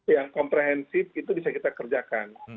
yang komprehensif itu bisa kita kerjakan